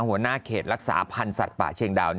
หัวหน้าเขตรักษาพันธ์สัตว์ป่าเชียงดาว